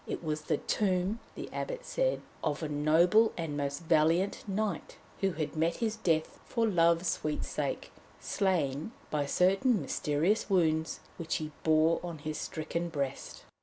It was the tomb, the Abbot said, of 'a noble and most valiant knight,' who had met his death for love's sweet sake, slain by certain mysterious wounds which he bore on his stricken breast.